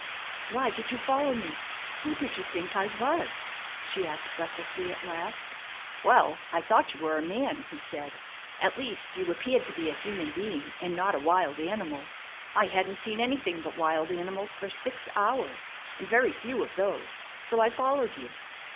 "Why did you follow me? Who did you think I was?" she asked breathlessly at last. "Well, I thought you were a man," he said; "at least, you appeared to be a human being, and not a wild animal. I hadn't seen anything but wild animals for six hours, and very few of those; so I followed you."